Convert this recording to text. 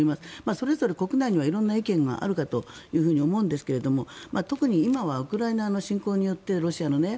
それぞれ国内には色んな意見があると思うんですが特に今はウクライナの侵攻によって、ロシアのね。